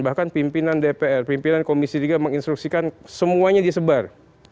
bahkan pimpinan dpr pimpinan komisi tiga menginstruksikan semuanya disebar